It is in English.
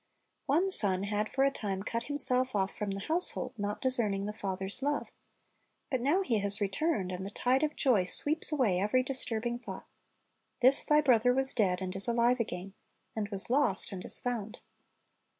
One son had for a time cut himself off from the household, not discerning the father's love. But now he has returned, and the tide of joy .sweeps away every disturbing thought. "This thy brother was dead, and is alive again; and was lost, and is found."